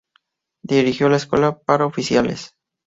Dirigió la escuela para oficiales.